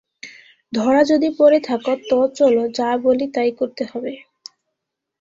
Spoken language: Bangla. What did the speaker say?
ধরা যদি পড়ে থাক তো চলো– যা বলি তাই করতে হবে।